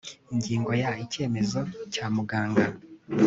ingingo ya icyemezo cya muganga